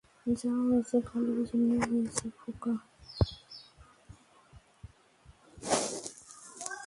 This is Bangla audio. যা হয়েছে ভালোর জন্যই হয়েছে, খোকা।